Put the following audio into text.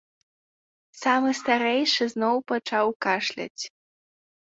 Самы старэйшы зноў пачаў кашляць.